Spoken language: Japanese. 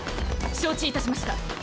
承知いたしました。